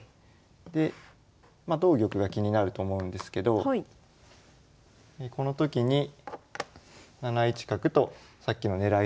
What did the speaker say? まあ同玉が気になると思うんですけどこの時に７一角とさっきの狙い筋をしまして